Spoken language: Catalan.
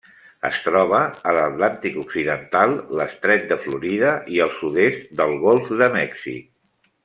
Es troba a l'Atlàntic occidental: l'estret de Florida i el sud-est del golf de Mèxic.